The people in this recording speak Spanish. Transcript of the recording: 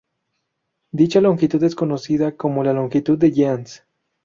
Dicha longitud es conocida como la longitud de Jeans.